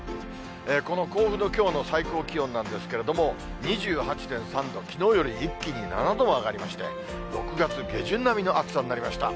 この甲府のきょうの最高気温なんですけれども、２８．３度、きのうより一気に７度まで上がりまして、６月下旬並みの暑さになりました。